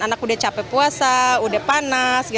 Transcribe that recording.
anak udah capek puasa udah panas